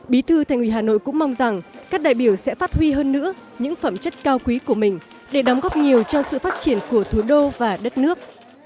bí thư thành ủy hà nội cũng mong rằng các đại biểu sẽ phát huy hơn nữa những phẩm chất cao quý của mình để đóng góp nhiều cho sự phát triển của thủ đô và đất nước